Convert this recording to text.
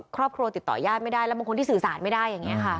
ครอบครัวติดต่อยาดไม่ได้แล้วบางคนที่สื่อสารไม่ได้อย่างนี้ค่ะ